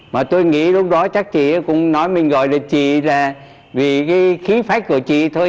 mà tôi nghĩ lúc đó chắc chị cũng nói mình gọi là chị là vì cái khí phách của chị thôi